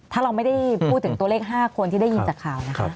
ถ้าเราไม่ได้พูดถึงตัวเลข๕คนที่ได้ยินจากข่าวนะคะ